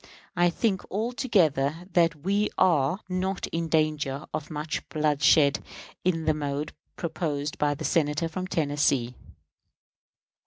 I think, altogether, we are not in danger of much bloodshed in the mode proposed by the Senator from Tennessee.